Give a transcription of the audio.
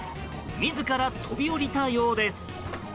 自ら飛び降りたようです。